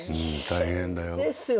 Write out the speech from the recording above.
大変だよ。